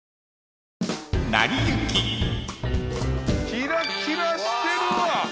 キラキラしてるわ！